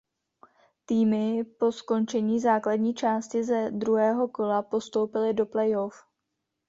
Týmy po skončení základní části ze druhého kola postoupily do playoff.